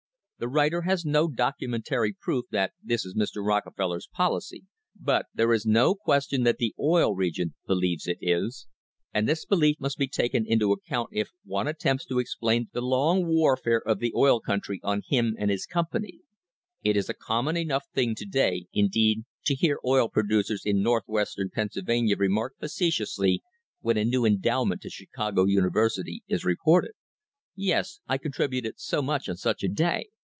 The writer has no documentary proof that this is Mr. Rockefeller's policy, but there is no question that the Oil Region believes it is, and this belief must be taken into account if one attempts to explain the long warfare of the oil country on him and his company. It is a common enough thing to day, indeed, to hear oil producers in Northwestern Pennsylvania remark facetiously when a new endowment to Chicago University is reported: "Yes, I contributed so much on such a day.